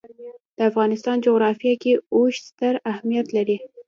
د افغانستان جغرافیه کې اوښ ستر اهمیت لري.